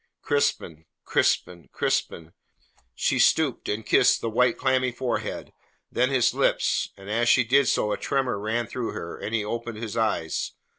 "Crispin, Crispin, Crispin!" She stooped and kissed the white, clammy forehead, then his lips, and as she did so a tremor ran through her, and he opened his eyes.